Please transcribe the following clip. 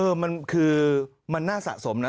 เออมันคือมันน่าสะสมนะ